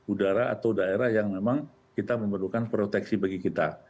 udara atau daerah yang memang kita memerlukan proteksi bagi kita